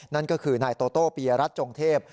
นั่นก็คือนายโตโต้ปียรัฐจงเทพ